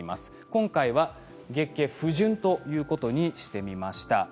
今回は月経が不順ということにしておきました。